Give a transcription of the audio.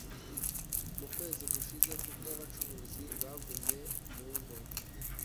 mu kwezi gushize kuko abacuruzi bagumye mu ngo.